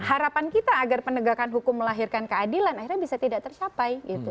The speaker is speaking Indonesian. harapan kita agar penegakan hukum melahirkan keadilan akhirnya bisa tidak tercapai